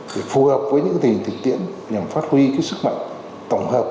để phù hợp với những tình hình thực tiễn nhằm phát huy sức mạnh tổng hợp